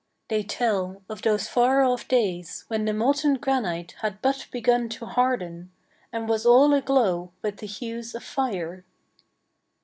They tell of those far off days when the molten granite had but begun to harden, and was all aglow with the hues of fire.